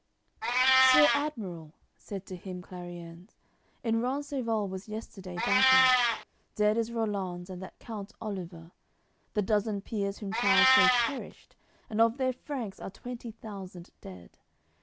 AOI. CC "Sir admiral," said to him Clariens, "In Rencesvals was yesterday battle. Dead is Rollanz and that count Oliver, The dozen peers whom Charle so cherished, And of their Franks are twenty thousand dead.